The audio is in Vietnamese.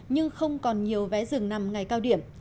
nhưng không còn nhiều vé dừng nằm ngày cao điểm